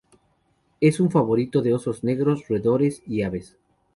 Es un favorito de osos negros, roedores, y aves.